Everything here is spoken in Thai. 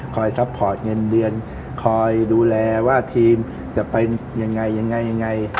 คอยซัพพอร์ตเงินเรือนคอยดูแลว่าทีมจะเป็นยังไง